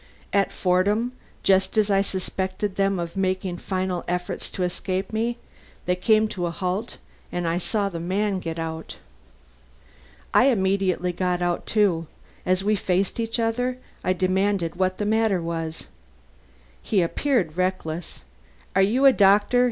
At Fordham, just as I suspected them of making final efforts to escape me, they came to a halt and I saw the man get out. "I immediately got out too. As we faced each other, I demanded what the matter was. He appeared reckless. 'Are you a doctor?'